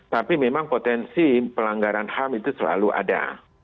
tapi memang potensi pelanggaran ham itu selalu ada